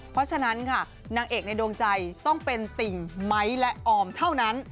เพราะฉะนั้นค่ะนางเอกในดวงใจต้องเป็นติ่งไม้และออมเท่านั้น